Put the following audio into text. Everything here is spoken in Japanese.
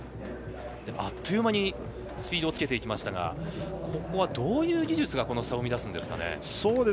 あっという間にスピードをつけていきましたがここは、どういう技術がこの差を生み出すんですかね？